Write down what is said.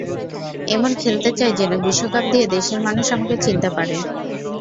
এমন খেলতে চাই যেন বিশ্বকাপ দিয়ে দেশের মানুষ আমাকে চিনতে পারে।